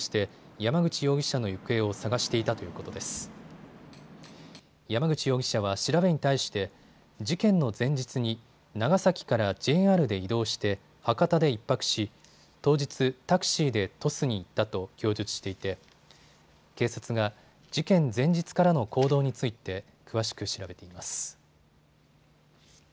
山口容疑者は調べに対して事件の前日に長崎からＪＲで移動して博多で１泊し当日、タクシーで鳥栖に行ったと供述していて警察が事件前日からの行動について詳しく調べています。